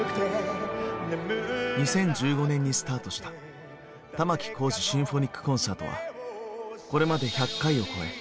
２０１５年にスタートした「玉置浩二シンフォニックコンサート」はこれまで１００回を超え